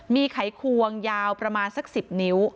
มีไขควงยาวประมาณสัก๑๐นิ้ว